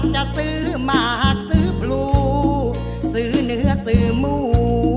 จะซื้อหมากซื้อพลูซื้อเนื้อซื้อหมู